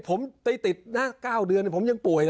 ผมติดหน้า๙เดือนผมยังป่วย